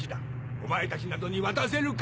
お前たちなどに渡せるか。